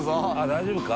大丈夫か？